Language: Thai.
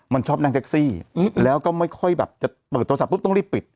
มันชอบนั่งแท็กซี่แล้วก็ไม่ค่อยแบบจะเปิดโทรศัพปุ๊บต้องรีบปิด